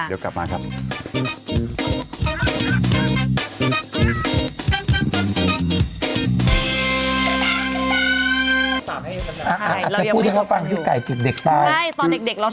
พูดอะไรที่จึกเด็กตาย